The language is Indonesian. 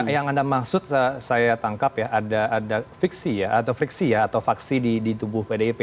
yang anda maksud saya tangkap ya ada fiksi ya atau friksi ya atau faksi di tubuh pdip